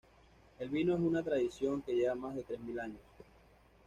El vino es una tradición que lleva más de tres mil años.